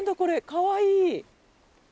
かわいい。